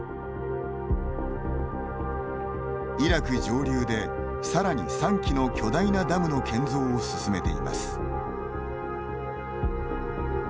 イラク上流で、さらに３基の巨大なダムの建造を進めています。